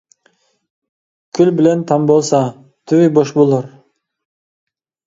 كۈل بىلەن تام بولسا، تۈۋى بوش بولۇر.